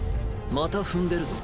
また踏んでるぞ。